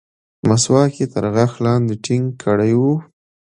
مسواک يې تر غاښ لاندې ټينګ کړى و.